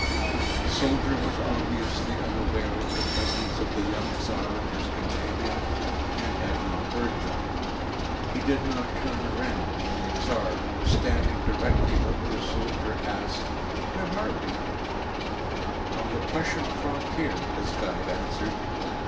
The soldier was obviously unaware of the presence of the young Tsar and his companion, and had not heard them. He did now turn round when the Tsar, who was standing directly over the soldier, asked, “Where are we?‚ÄĚ “On the Prussian frontier,‚ÄĚ his guide answered.